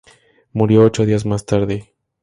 Murió ocho días más tarde.